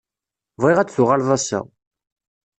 Bɣiɣ ad tuɣaleḍ ass-a.